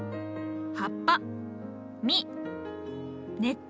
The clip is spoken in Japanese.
葉っぱ実根っこ。